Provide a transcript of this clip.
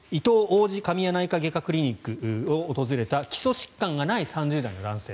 王子神谷内科外科クリニックを訪れた基礎疾患がない３０代の男性。